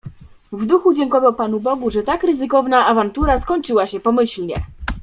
"W duchu dziękował Panu Bogu, że tak ryzykowna awantura skończyła się pomyślnie."